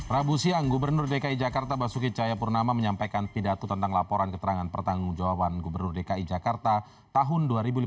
rabu siang gubernur dki jakarta basuki cahaya purnama menyampaikan pidatu tentang laporan keterangan pertanggungjawaban gubernur dki jakarta tahun dua ribu lima belas